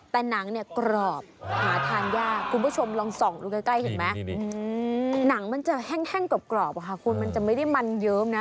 แต่หนังเนี่ยกรอบหาทานยากคุณผู้ชมลองส่องดูใกล้เห็นไหมหนังมันจะแห้งกรอบค่ะคุณมันจะไม่ได้มันเยิ้มนะ